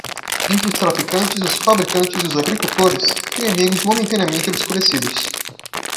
Entre os traficantes, os fabricantes, os agricultores, têm amigos momentaneamente obscurecidos.